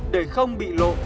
để không bị lộ